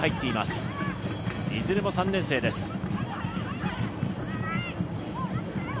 いずれも３年生です。